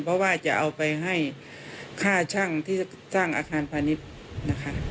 เพราะว่าจะเอาไปให้ค่าช่างที่สร้างอาคารพาณิชย์นะคะ